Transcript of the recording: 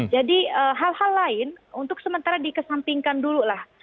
jadi hal hal lain untuk sementara dikesampingkan dulu lah